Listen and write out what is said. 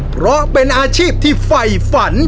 เพราะเป็นอาชีพที่ไฟฝัน